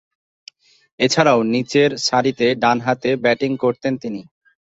এছাড়াও নিচের সারিতে ডানহাতে ব্যাটিং করতেন তিনি।